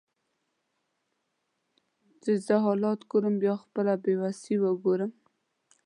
چې زه حالات ګورم بیا خپله بیوسي وګورم